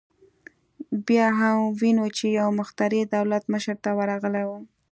بیا هم وینو چې یو مخترع دولت مشر ته ورغلی و